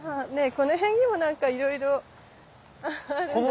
この辺にも何かいろいろあるんだけど。